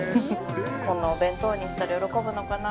お弁当にしたら喜ぶのかな